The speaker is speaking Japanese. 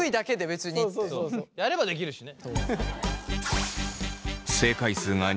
やればできるしね。